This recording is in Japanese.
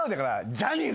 ジャニーズ！